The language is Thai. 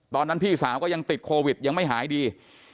พี่สาวก็ยังติดโควิดยังไม่หายดี